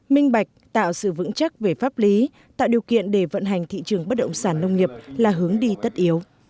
minh bạch tạo sự vững chắc về pháp lý tạo điều kiện để vận hành thị trường bất động sản nông nghiệp là hướng đi tất yếu